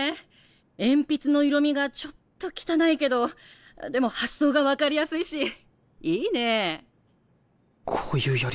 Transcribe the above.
鉛筆の色味がちょっと汚いけどでも発想が分かりやすいしいいね。